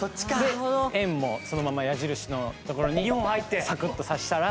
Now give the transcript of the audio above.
円もそのまま矢印のところにサクッと刺したら。